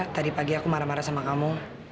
tadi pagi aku marah marah sama kamu